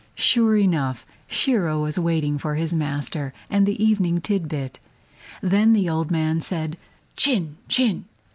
Sure enough, Shiro was waiting for his master and the evening tit bit. Then the old man said "Chin, chin!"